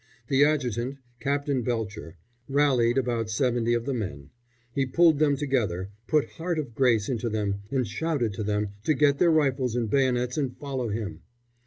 The adjutant, Captain Belcher, rallied about seventy of the men. He pulled them together, put heart of grace into them, and shouted to them to get their rifles and bayonets and follow him.